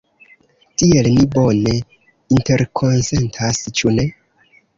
Tiel, ni bone interkonsentas, ĉu ne?